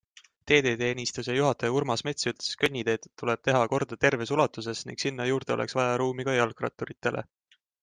Teedeteenistuse juhataja Urmas Mets ütles, et kõnnitee tuleb teha korda terves ulatuses ning sinna juurde oleks vaja ruumi ka jalgratturitele.